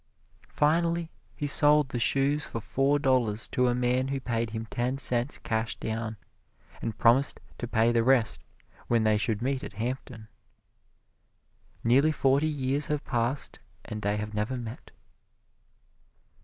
Finally he sold the shoes for four dollars to a man who paid him ten cents cash down, and promised to pay the rest when they should meet at Hampton. Nearly forty years have passed and they have never met.